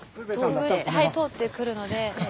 はい通ってくるので。